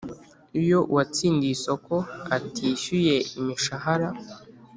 Iyo uwatsindiye isoko atishyuye imishahara